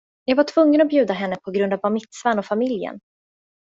Jag var tvungen att bjuda henne på grund av bar mitzvahn och familjen.